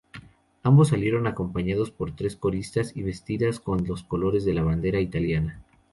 Ambos salieron acompañados por tres coristas vestidas con los colores de la bandera italiana.